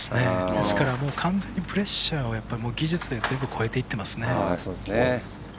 ですから、完全にプレッシャーは技術で全部超えていってますね。